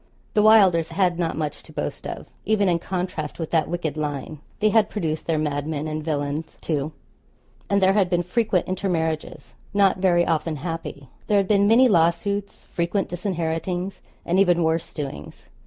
The Wylders had not much to boast of, even in contrast with that wicked line. They had produced their madmen and villains, too; and there had been frequent intermarriages not very often happy. There had been many lawsuits, frequent disinheritings, and even worse doings.